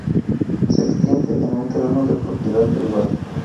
Se extiende en un terreno de propiedad privada.